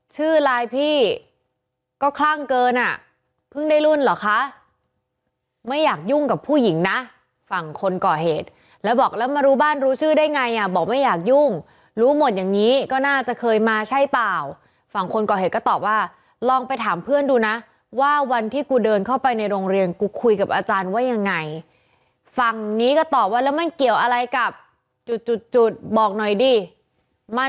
ชื่อไลน์พี่ก็คลั่งเกินอ่ะเพิ่งได้รุ่นเหรอคะไม่อยากยุ่งกับผู้หญิงนะฝั่งคนก่อเหตุแล้วบอกแล้วมารู้บ้านรู้ชื่อได้ไงอ่ะบอกไม่อยากยุ่งรู้หมดอย่างนี้ก็น่าจะเคยมาใช่เปล่าฝั่งคนก่อเหตุก็ตอบว่าลองไปถามเพื่อนดูนะว่าวันที่กูเดินเข้าไปในโรงเรียนกูคุยกับอาจารย์ว่ายังไงฝั่งนี้ก็ตอบว่าแล้วมันเกี่ยวอะไรกับจุดจุดจุดบอกหน่อยดิมา